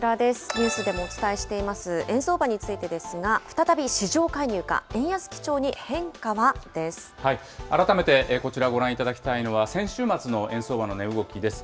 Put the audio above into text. ニュースでもお伝えしています円相場についてですが、再び市場介改めてこちらご覧いただきたいのは、先週末の円相場の値動きです。